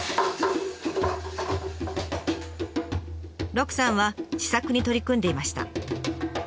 鹿さんは試作に取り組んでいました。